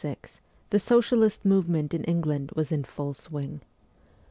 XVI IN 1886 the socialist movement in England was in full swing.